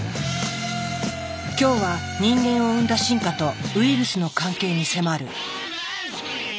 今日は人間を生んだ進化とウイルスの関係に迫る。